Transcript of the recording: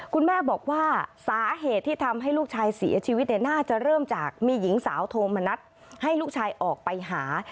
คุณแม่บอกว่าสาเหตุที่ทำให้ลูกชายเสียชีวิตเนี่ยน่าจะเริ่มจากมีหญิงสาวโทรมานัดให้ลูกชายออกไปหา